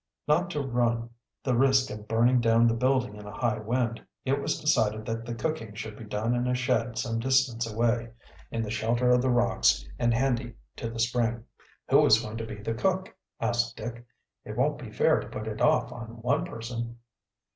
Not to run the risk of burning down the building in a high wind, it was decided that the cooking should be done in a shed some distance away, in the shelter of the rocks and handy to the spring. "Who is going to be the cook?" asked Dick. "It won't be fair to put it off on one person."